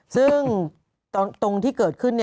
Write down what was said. ซึ่งตรงที่เกิดขึ้น